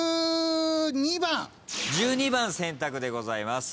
１２番選択でございます。